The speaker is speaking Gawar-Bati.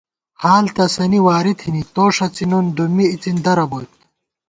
حال تسَنی واری تھنی، تو ݭڅی نُن دُمّی اِڅِن درہ بوئیت